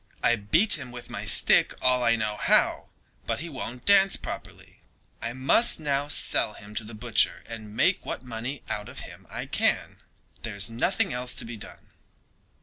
I beat him with my stick all I know how, but he won't dance properly. I must now sell him to the butcher and make what money out of him I can. There is nothing else to be done."